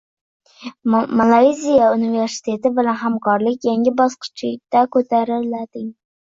Malayziya universiteti bilan hamkorlik yangi bosqichga ko‘tarilading